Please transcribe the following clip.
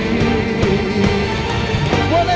mereka ingin anda